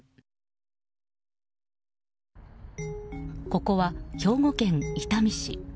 ここは、兵庫県伊丹市。